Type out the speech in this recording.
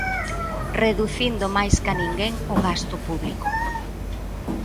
Reducindo máis ca ninguén o gasto público.